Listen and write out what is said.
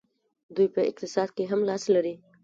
دوی په اقتصاد کې هم لاس لري.